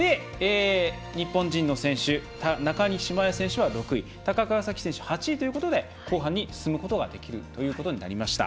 日本人の選手中西麻耶選手は６位高桑早生選手は８位ということで後半に進むことができることになりました。